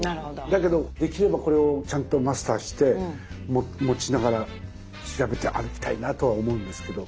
だけどできればこれをちゃんとマスターして持ちながら調べて歩きたいなとは思うんですけど。